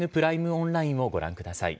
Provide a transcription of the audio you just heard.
オンラインをご覧ください。